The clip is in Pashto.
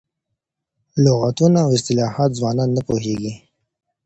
لغتونه او اصطلاحات ځوانان نه پوهېږي.